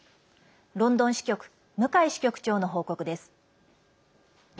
ロンドン支局向井支局長の報告です。